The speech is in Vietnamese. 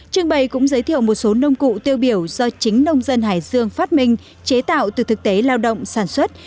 trưng bày cũng giới thiệu một số nông cụ tiêu biểu do chính nông dân hải dương phát minh chế tạo từ thực tế lao động sản xuất